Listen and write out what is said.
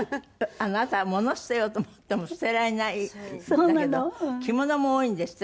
あなたは物捨てようと思っても捨てられないんだけど着物も多いんですって？